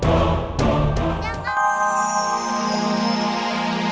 saya sangat menyedihkanku